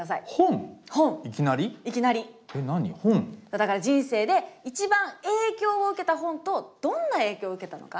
だから人生で一番影響を受けた本とどんな影響を受けたのか是非教えて下さい。